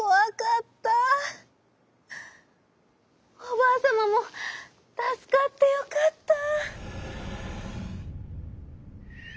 おばあさまもたすかってよかった」。